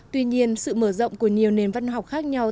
tuy nhiên sự mở rộng của nhiều nền văn học khác nhau